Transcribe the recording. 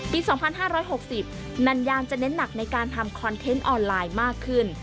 ปี๒๕๖๐นัญญามจะเน้นหนักในการทำคอนเทนต์ออนไลน์มากขึ้น